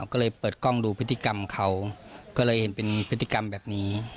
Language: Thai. ก็เลยเปิดกล้องดูพฤติกรรมเขาก็เลยเห็นเป็นพฤติกรรมแบบนี้